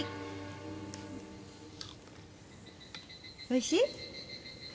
おいしい？